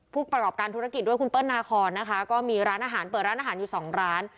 ผู้ประกอบการธุรกิจด้วยคุณเปิ้ลนาคอนนะคะก็มีร้านอาหารเปิดร้านอาหารอยู่สองร้าน